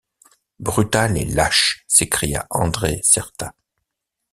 Brutal et lâche! s’écria André Certa.